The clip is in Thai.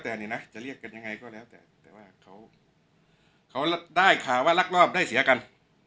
แต่อันนี้นะจะเรียกกันยังไงก็แล้วแต่แต่ว่าเขาได้ข่าวว่ารักรอบได้เสียกัน